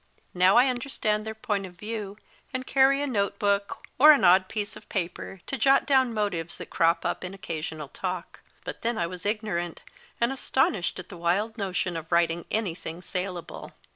Now I understand their point of view, and carry a note book, or an odd piece of paper, to jot down motives that crop up in occasional talk, but then I was ignorant, and astonished at the wild notion of writing anything saleable.